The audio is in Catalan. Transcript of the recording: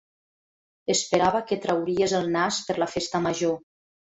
Esperava que trauries el nas per la festa major.